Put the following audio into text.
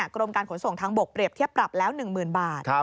กรมการขนส่งทางบกเปรียบเทียบปรับแล้ว๑๐๐๐บาท